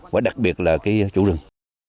và đặc biệt là chủ rừng